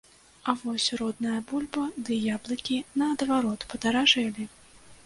А вось родная бульба ды яблыкі, наадварот, падаражэлі!